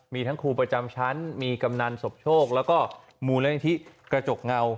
มีทั้งครูประจำชั้นมีกำนันสมโชคแล้วก็มูลนิธิกระจกเงา